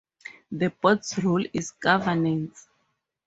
The Board's role is governance.